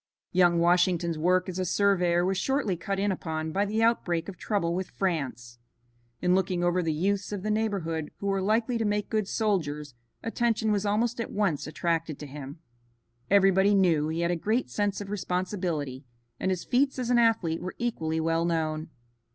Young Washington's work as a surveyor was shortly cut in upon by the outbreak of trouble with France. In looking over the youths of the neighborhood who were likely to make good soldiers, attention was almost at once attracted to him. Everybody knew he had a great sense of responsibility, and his feats as an athlete were equally well known.